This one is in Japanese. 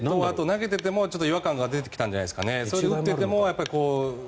寝違えとあとは投げていてもちょっと違和感が出てきたんじゃないですかね。